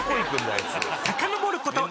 ［さかのぼること］